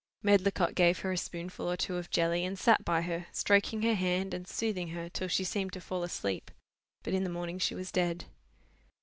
Medlicott gave her a spoonful or two of jelly, and sat by her, stroking her hand, and soothing her till she seemed to fall asleep. But in the morning she was dead."